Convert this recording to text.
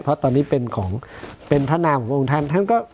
เพราะตอนนี้เป็นของเป็นพระนามของพระองค์ท่านท่านก็